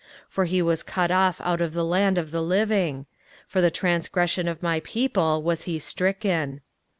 for he was cut off out of the land of the living: for the transgression of my people was he stricken.